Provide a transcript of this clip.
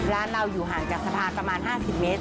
ร้านเราอยู่ห่างจากสะพานประมาณ๕๐เมตร